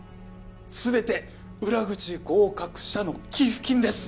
全て裏口合格者の寄付金です